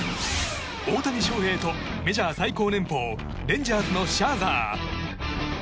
大谷翔平とメジャー最高年俸レンジャーズのシャーザー。